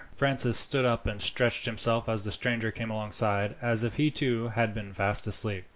Francis stood up and stretched himself as the stranger came alongside, as if he too had been fast asleep.